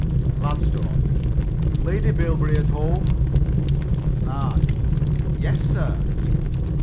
GLADSTONE: Lady Bilberry at home? MARGE: Yes, sir.